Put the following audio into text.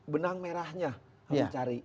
benang merahnya yang dicari